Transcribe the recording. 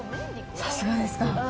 さすがですか。